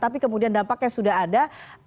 tapi kemudian dampaknya sudah ada